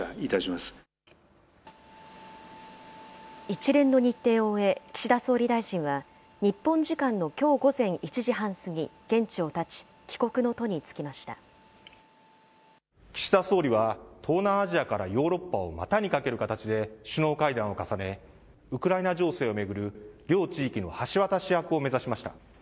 一連の日程を終え、岸田総理大臣は日本時間のきょう午前１時半過ぎ、現地をたち、帰岸田総理は、東南アジアからヨーロッパを股にかける形で、首脳会談を重ね、ウクライナ情勢を巡る両地域の橋渡し役を目指しました。